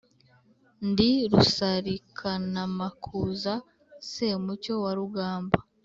ndi rusarikanamakuza semucyo wa rugamba,